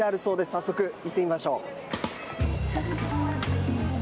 早速行ってみましょう。